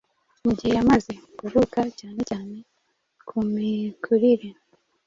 mu gihe yamaze kuvuka cyane cyane ku mikurire,